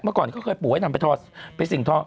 เมื่อก่อนเขาเคยปลูกไว้นำไปสิ่งทอง